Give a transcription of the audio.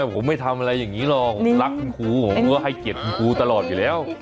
ผมไม่ทำอะไรอย่างนี้หรอกรักคุณครูผมก็ให้เกียรติคุณครูตลอดอยู่แล้ว